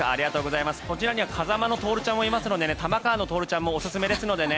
こちらは風間のトオルちゃんもいますので玉川さんの徹ちゃんもおすすめですのでね。